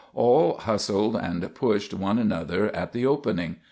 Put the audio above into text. All hustled and pushed one another at the opening.